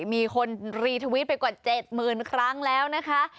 มีคนรีทวิตไปกว่าเจ็ดหมื่นครั้งแล้วนะคะ